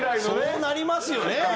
そうなりますよね。